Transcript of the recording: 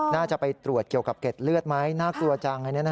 น่าจะไปตรวจเกี่ยวกับเกร็ดเลือดไหมน่ากลัวจัง